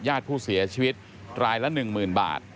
ญาติผู้เสียชีวิตรายละ๑๐๐๐บาท